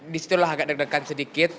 disitulah agak deg degan sedikit